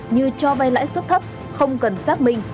như cho vai lãi xuất thấp không cần xác minh